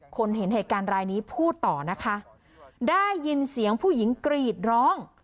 เห็นเหตุการณ์รายนี้พูดต่อนะคะได้ยินเสียงผู้หญิงกรีดร้อง